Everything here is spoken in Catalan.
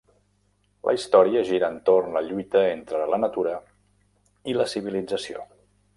La història gira entorn la lluita entre la natura i la civilització.